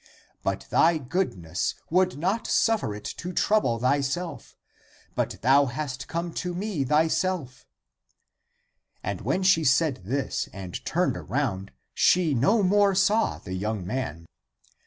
But thy goodness would not suffer it to trouble myself, but thou hast come to me thyself." And when she said this and turned around, she no more saw the young man.